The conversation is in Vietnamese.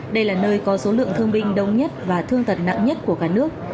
đây là nơi có số lượng thương binh đông nhất và thương tật nặng nhất của cả nước